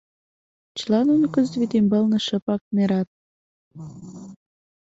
Чыла нуно кызыт вӱд ӱмбалне шыпак нерат.